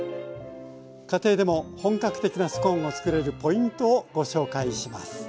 家庭でも本格的なスコーンを作れるポイントをご紹介します。